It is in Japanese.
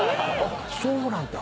そうなんだ。